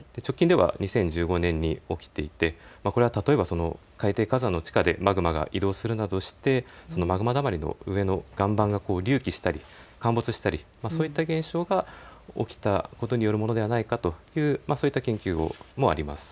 直近では２０１５年に起きていてこれは例えば海底火山の地下でマグマが移動するなどしてマグマだまりの上の岩盤が隆起したり陥没したりそういった現象が起きたことによるものではないかというそういった研究もあります。